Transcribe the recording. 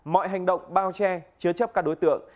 mọi hành động bao che chứa chấp các đối tượng